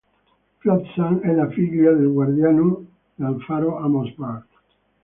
Flotsam è la figlia del guardiano del faro Amos Bart.